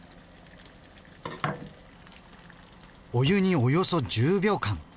お湯におよそ１０秒間。